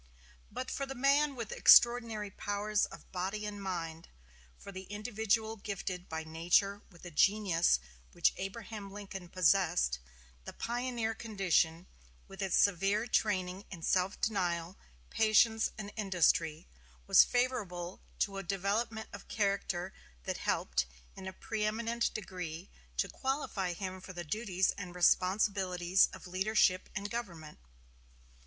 But for the man with extraordinary powers of body and mind; for the individual gifted by nature with the genius which Abraham Lincoln possessed; the pioneer condition, with its severe training in self denial, patience, and industry, was favorable to a development of character that helped in a preëminent degree to qualify him for the duties and responsibilities of leadership and government.